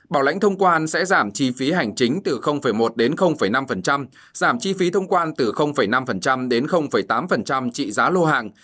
bảo lãnh thông quan sẽ giảm chi phí hành chính từ một đến năm giảm chi phí thông quan từ năm đến tám trị giá lô hàng